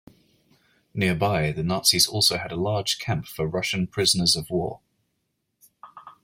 Nearby, the Nazis also had a large camp for Russian prisoners-of-war.